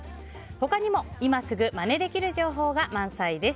他にも今すぐまねできる情報が満載です。